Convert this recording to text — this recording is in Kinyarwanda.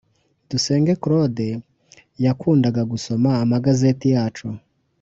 Dusenge cloude yakundaga gusoma amagazeti yacu